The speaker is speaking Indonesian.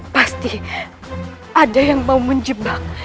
pasti ada yang mau menjebak